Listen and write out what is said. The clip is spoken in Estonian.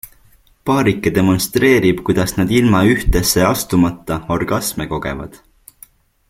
Paarike demonstreerib, kuidas nad ilma ühtesse astumata orgasme kogevad.